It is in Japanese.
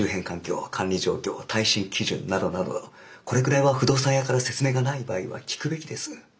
耐震基準などなどこれくらいは不動産屋から説明がない場合は聞くべきです。